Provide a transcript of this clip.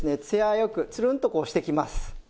ツヤ良くつるんとこうしてきます。